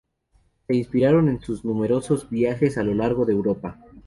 Se inspiraron en sus numerosos viajes a lo largo de Europa.